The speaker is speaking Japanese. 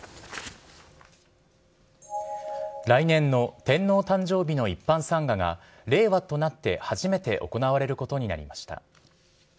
来年の天皇誕生日の一般参賀が令和となって初めて行われることになりました。